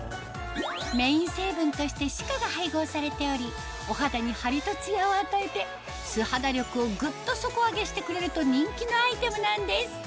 メイン成分としてＣＩＣＡが配合されておりお肌にハリとツヤを与えて素肌力をグッと底上げしてくれると人気のアイテムなんです